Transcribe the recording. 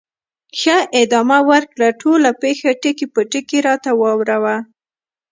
ښه، ادامه ورکړه، ټوله پېښه ټکي په ټکي راته واوره وه.